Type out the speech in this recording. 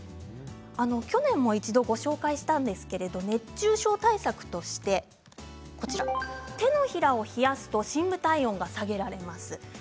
去年も一度、ご紹介したんですけれど熱中症対策として手のひらを冷やすと深部体温が下げられます。